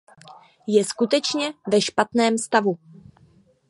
Je skutečně ve špatném stavu.